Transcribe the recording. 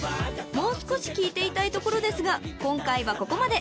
［もう少し聴いていたいところですが今回はここまで］